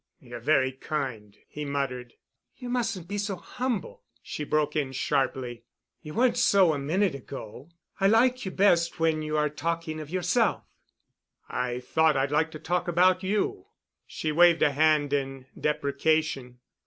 "You're very kind," he muttered. "You mustn't be so humble," she broke in sharply. "You weren't so a minute ago. I like you best when you are talking of yourself." "I thought I'd like to talk about you." She waved a hand in deprecation.